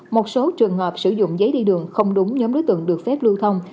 một số trường hợp sử dụng giấy đi đường không đúng nhóm đối tượng được phép lưu thông